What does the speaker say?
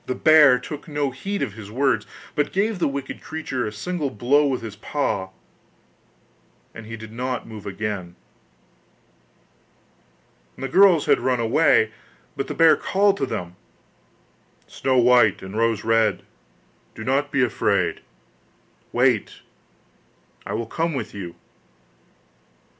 The bear took no heed of his words, but gave the wicked creature a single blow with his paw, and he did not move again. The girls had run away, but the bear called to them: 'Snow white and Rose red, do not be afraid; wait, I will come with you.